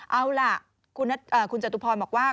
เอาล่ะคุณจตุพรบอกว่า